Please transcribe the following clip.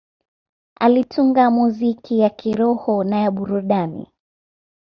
Alitunga muziki ya kiroho na ya burudani.